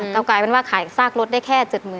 ก็กลายเป็นว่าขายซากรถได้แค่๗๐๐